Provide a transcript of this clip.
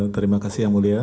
terima kasih yang mulia